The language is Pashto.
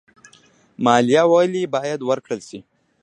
مالیه ولې باید ورکړل شي؟